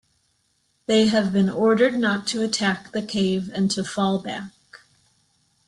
They have been ordered not to attack the cave and to fall back.